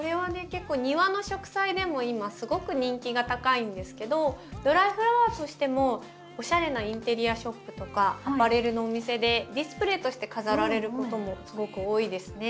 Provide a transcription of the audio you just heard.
結構庭の植栽でも今すごく人気が高いんですけどドライフラワーとしてもおしゃれなインテリアショップとかアパレルのお店でディスプレーとして飾られることもすごく多いですね。